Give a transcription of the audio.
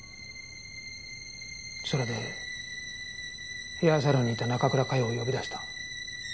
それでヘアサロンにいた中倉佳世を呼び出した。